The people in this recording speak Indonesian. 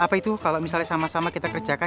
apa itu kalau misalnya sama sama kita kerjakan